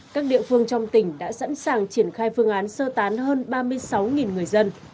các địa phương trong tỉnh đã sẵn sàng triển khai phương án sơ tán hơn ba mươi sáu người dân